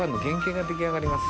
が出来上がります。